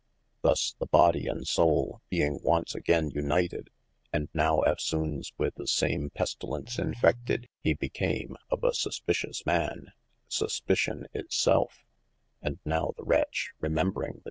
Thus this body and soule being once againe united, and nowe eftsones with the same pestilence infected, he became of a suspicious man, Suspicion it selfe : and now the wretch remembring the 422 OF MASTER F.